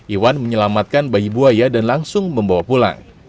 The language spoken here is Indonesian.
iwan menyelamatkan bayi buaya dan langsung membawa pulang